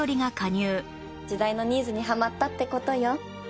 時代のニーズにはまったって事よ。